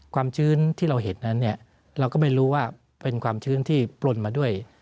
ความชื้นที่เราเห็นนั้นเนี่ยเราก็ไม่รู้ว่าเป็นความชื้นที่ปลนมาด้วย